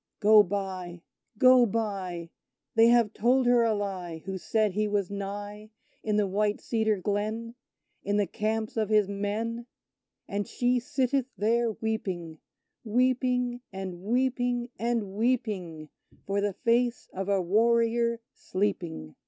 Go by go by! They have told her a lie, Who said he was nigh, In the white cedar glen In the camps of his men: And she sitteth there weeping Weeping, and weeping, and weeping, For the face of a warrior sleeping!